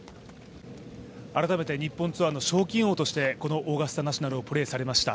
改めて日本ツアーの賞金王としてこのオーガスタ・ナショナルをプレーしました。